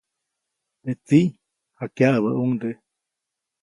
Teʼ tsiʼ jakyaʼäbäʼuŋde.